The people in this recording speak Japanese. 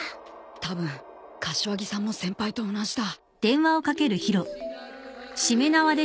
たぶん柏木さんも先輩と同じだ。